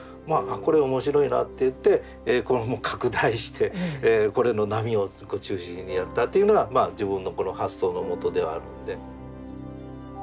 これ面白いなっていって拡大してこれの波を中心にやったというのが自分のこの発想のもとではあるんで。